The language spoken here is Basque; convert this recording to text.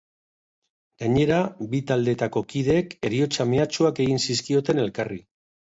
Gainera, bi taldeetako kideek heriotza mehatxuak egin zizkioten elkarri.